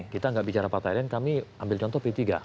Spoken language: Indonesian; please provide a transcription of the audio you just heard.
kita nggak bicara partai lain kami ambil contoh p tiga